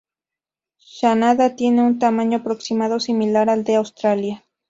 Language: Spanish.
Xanadu tiene un tamaño aproximado similar al de Australia.